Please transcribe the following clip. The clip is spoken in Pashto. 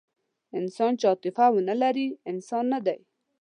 انسان چې عاطفه ونهلري، انسان نهدی.